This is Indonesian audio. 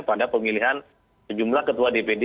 pada pemilihan sejumlah ketua dpd